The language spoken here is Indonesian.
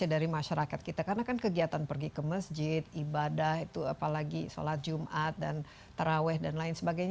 dari masyarakat kita karena kan kegiatan pergi ke masjid ibadah itu apalagi sholat jumat dan taraweh dan lain sebagainya